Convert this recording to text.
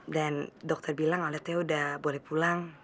dan dokter bilang olete udah boleh pulang